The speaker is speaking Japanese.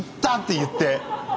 て言って。